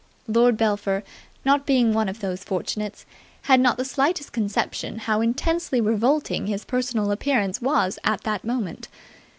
Lord Belpher, not being one of these fortunates, had not the slightest conception how intensely revolting his personal appearance was at that moment.